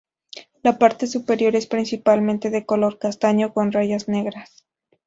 La parte superior es principalmente de color castaño con rayas negras.